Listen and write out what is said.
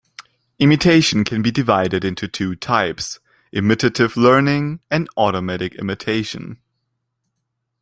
Imitation can be divided into two types: imitative learning and automatic imitation.